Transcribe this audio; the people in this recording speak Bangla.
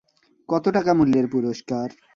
কত টাকা মূল্যের পুরষ্কার?